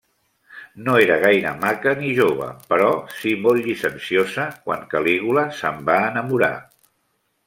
No era gaire maca ni jove, però si molt llicenciosa, quan Calígula se'n va enamorar.